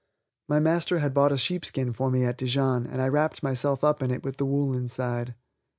My master had bought a sheepskin for me at Dijon, and I wrapped myself up in it with the wool inside.